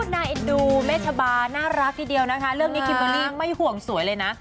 นายดูแม่ชาบาน่ารักทีเดียวนะคะเรื่องนี้คิมไม่ห่วงสวยเลยนะ